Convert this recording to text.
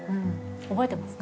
覚えてますか。